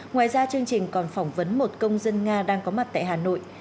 ngoài ra chương trình còn phỏng vấn một công dân nga đang có mặt tại hà nội